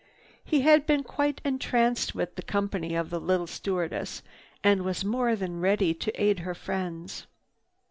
He had been quite entranced with the company of the little stewardess and was more than ready to aid her friends.